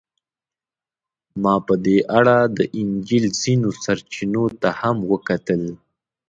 ما په دې اړه د انجیل ځینو سرچینو ته هم وکتل.